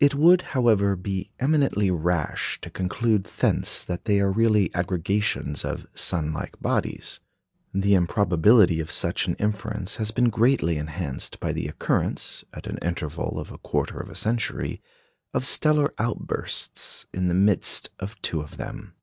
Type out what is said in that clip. It would, however, be eminently rash to conclude thence that they are really aggregations of sun like bodies. The improbability of such an inference has been greatly enhanced by the occurrence, at an interval of a quarter of a century, of stellar outbursts in the midst of two of them.